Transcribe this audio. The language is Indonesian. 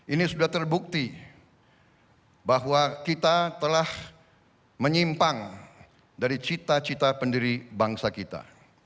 ini sudah terbukti bahwa kita telah menyimpang dari cita cita pendiri bangsa kita